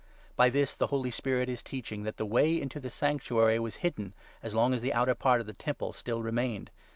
By 8 this the Holy Spirit is teaching that the way into the Sanctuary was hidden, as long as the outer part of the Tabernacle still remained.